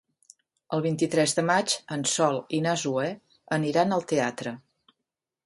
El vint-i-tres de maig en Sol i na Zoè aniran al teatre.